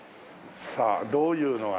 さあどういうのが。